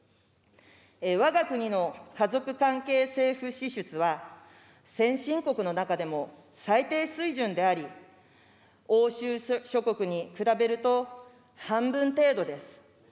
わが国の家族関係政府支出は、先進国の中でも最低水準であり、欧州諸国に比べると、半分程度です。